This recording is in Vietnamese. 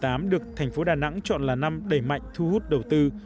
năm hai nghìn một mươi tám được thành phố đà nẵng chọn là năm đầy mạnh thú hút đầu tư